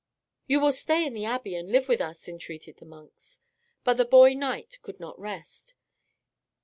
"You will stay in the abbey and live with us," entreated the monks. But the boy knight could not rest.